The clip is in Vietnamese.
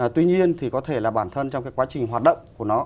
tuy nhiên thì có thể là bản thân trong cái quá trình hoạt động của nó